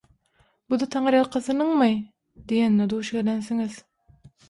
Bu-da taňryýalkasynyňmy?» diýenine duş gelensiňiz.